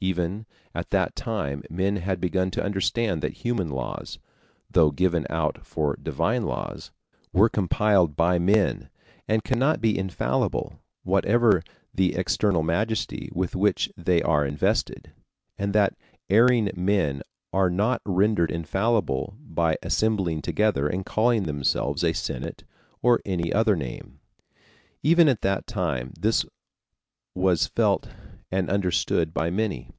Even at that time men had begun to understand that human laws, though given out for divine laws, were compiled by men, and cannot be infallible, whatever the external majesty with which they are invested, and that erring men are not rendered infallible by assembling together and calling themselves a senate or any other name. Even at that time this was felt and understood by many.